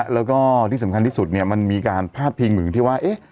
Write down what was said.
แล้วก็ที่สำคัญที่สุดเนี่ยมันมีการพาดพิมพ์ถึงที่ว่า